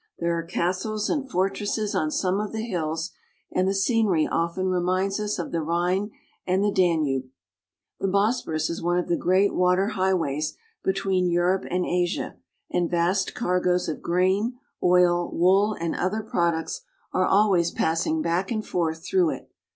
There are castles and fortresses on some of the hills, and the scenery often reminds us of the Rhine and the Danube, The Bosporus is one of the great water highways between Europe and Asia, and vast cargoes of grain, oil, wool, and other products are always passing back and forth through it.